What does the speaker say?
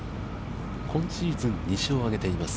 今シーズン、２勝を挙げています。